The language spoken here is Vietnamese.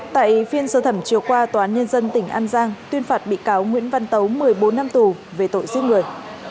tại phiên sơ thẩm chiều qua tòa án nhân dân tỉnh an giang tuyên phạt bị cáo nguyễn văn tấu một mươi bốn năm tù về tội giết người